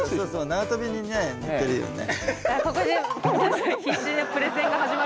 縄跳びにね似てるよね。